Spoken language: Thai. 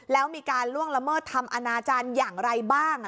แล้วมีการล่วงละเมิดทำอนาจารย์อย่างไรบ้าง